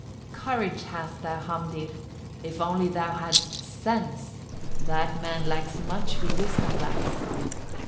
28. "Courage hast thou, Hamdir! if only thou hadst sense: that man lacks much who wisdom lacks.